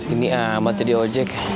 ini amat ya dia ojek